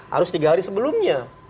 harus tiga hari sebelumnya